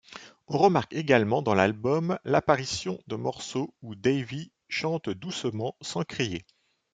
On remarque également dans l'album, l'apparition de morceaux où Davey chante doucement, sans crier.